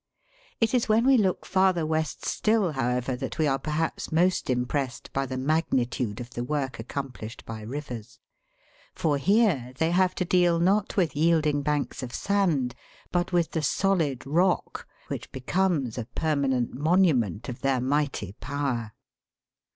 It is when we look farther west still, however, that we are perhaps most impressed by the magnitude of the work accomplished by rivers ; for here they have to deal not with yielding banks of sand, but with the solid rock, which be comes a permanent monument of their mighty power.